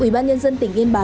ủy ban nhân dân tỉnh yên bạc